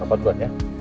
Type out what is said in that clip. apa buat ya